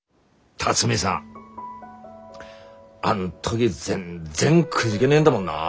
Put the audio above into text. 「龍己さんあん時全然くじげねえんだもんなぁ」